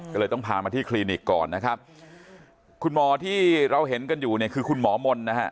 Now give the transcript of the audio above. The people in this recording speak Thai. ก็เลยต้องพามาที่คลินิกก่อนนะครับคุณหมอที่เราเห็นกันอยู่เนี่ยคือคุณหมอมนต์นะฮะ